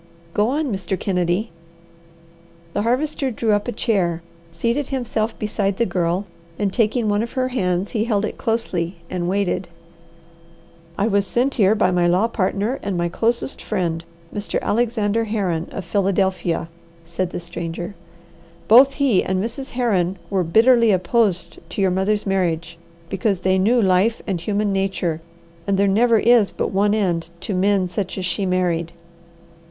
Go on, Mr. Kennedy." The Harvester drew up a chair, seated himself beside the Girl, and taking one of her hands, he held it closely and waited. "I was sent here by my law partner and my closest friend, Mr. Alexander Herron, of Philadelphia," said the stranger. "Both he and Mrs. Herron were bitterly opposed to your mother's marriage, because they knew life and human nature, and there never is but one end to men such as she married."